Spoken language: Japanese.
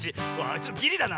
ちょっとギリだな。